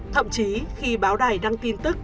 thậm chí khi báo đài đăng tin tức